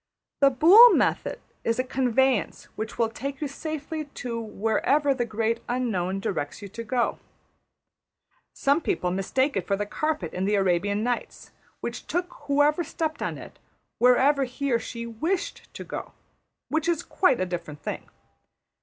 The Boole method is a conveyance which will take you safely to wherever the Great Unknown directs you to go. Some people mistake it for the carpet in the \emph{Arabian Nights}, which took whoever stepped on it wherever he or she \emph{wished} to go which is a quite different thing.